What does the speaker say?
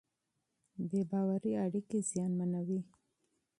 بې باورۍ اړیکې کمزورې کوي.